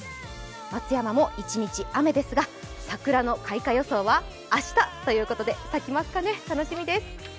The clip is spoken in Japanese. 松山も一日雨ですが、桜の開花予想は明日ということで、咲きますかね、楽しみです！